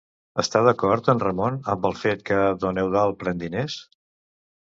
Està d'acord en Ramon amb el fet que don Eudald pren diners?